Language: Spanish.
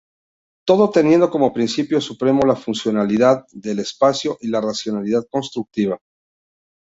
Todo teniendo como principio supremo la funcionalidad del espacio y la racionalidad constructiva.